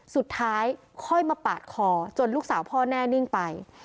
สุดท้ายค่อยมาปาดคอจนลูกสาวพ่อแน่นิ่งไป